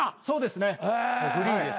そうですね。